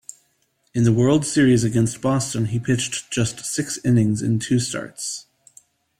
In the World Series against Boston, he pitched just six innings in two starts.